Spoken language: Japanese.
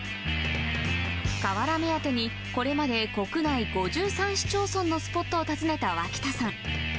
瓦目当てに、これまで国内５３市町村のスポットを訪ねた脇田さん。